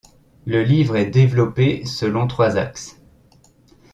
Le livre est développé selon trois axes.